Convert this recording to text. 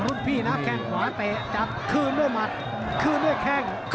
รุ่นพี่นะแข้งขวาเตะจับคืนด้วยหมัดคืนด้วยแข้ง